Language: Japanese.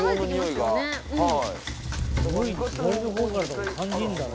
はい。